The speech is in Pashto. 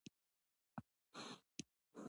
خور د ستونزو پر مهال غږ پورته کوي.